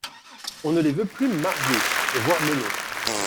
On ne les veut plus mariés (voir Melon).